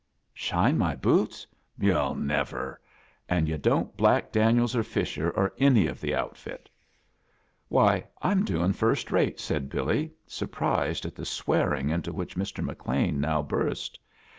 "Shine my boots? Yo'II never! And yu* don't black Daniels or Fisher, or any of the outfit." "■^y, Tm doing first rate," said Billy, , surprised at tlie swearing into which Mr. McLean now burst.